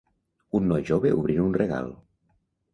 Un noi jove obrint un regal.